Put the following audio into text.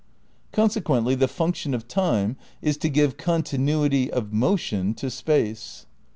Consequently, the function of time is to give con tinuity (of motion) to space.